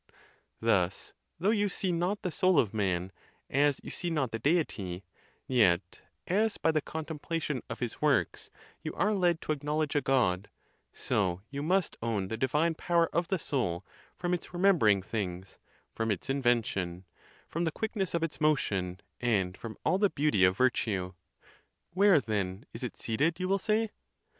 Thus, though you see not the soul of man, as you see not the Deity, yet, as by the contemplation of his works you are led to acknowledge a God, so you must own the divine power of the soul, from its remembering things, from its invention, from the quickness of its motion, and from all the beauty of virtue. Where, then, is it seated, you will say?